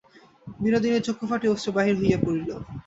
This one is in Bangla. বিনোদিনীর চক্ষু ফাটিয়া অশ্রু বাহির হইয়া পড়িল।